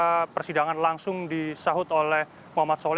pada saat itu persidangan langsung disahut oleh muhammad soleh